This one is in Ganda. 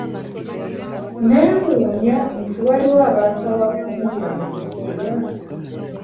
Neewunya nti waliyo abantu abafumbira mu nsuwa..